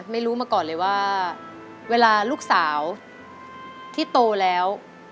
ไม่รู้มาก่อนเลยว่าเวลาลูกสาวที่โตแล้ว